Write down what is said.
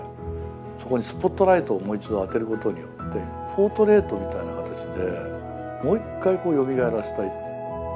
そこにスポットライトをもう一度当てることによってポートレートみたいな形でもう一回よみがえらせたい。